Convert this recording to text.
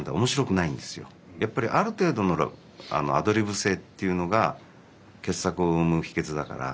やっぱりある程度のアドリブ性っていうのが傑作を生む秘けつだから。